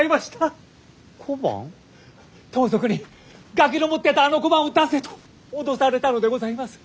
盗賊に「がきの持ってたあの小判を出せ」と脅されたのでございます。